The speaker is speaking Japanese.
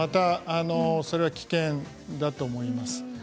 それは危険だと思います。